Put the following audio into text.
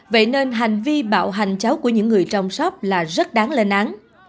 vậy nên hành vi bạo hành cháu của những người trong shop là rất đáng lên án